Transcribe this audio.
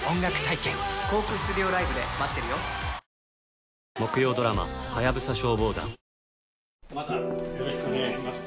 ぷはーっまたよろしくお願いします。